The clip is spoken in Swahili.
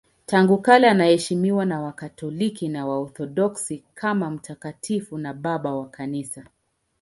Tangu kale anaheshimiwa na Wakatoliki na Waorthodoksi kama mtakatifu na Baba wa Kanisa.